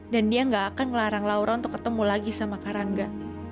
dan dia gak akan ngelarang laura untuk ketemu lagi sama kak rangga